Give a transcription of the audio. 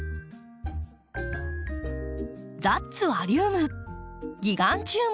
ザッツアリウム！